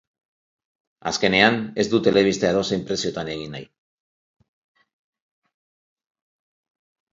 Azkenean, ez dut telebista edozein preziotan egin nahi.